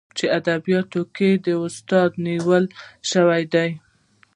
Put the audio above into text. چې ادبياتو کې ته استادي نيولى شې.